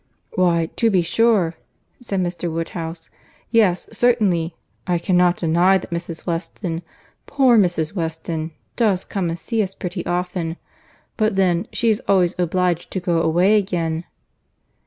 "Why, to be sure," said Mr. Woodhouse—"yes, certainly—I cannot deny that Mrs. Weston, poor Mrs. Weston, does come and see us pretty often—but then—she is always obliged to go away again."